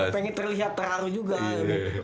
pengen terlihat terharu juga gitu